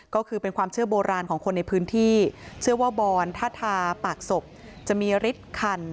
ก็คือเป็นความเชื่อโบราณของคนในพื้นที่เชื่อว่าบอนถ้าทาปากศพจะมีฤทธิ์คัน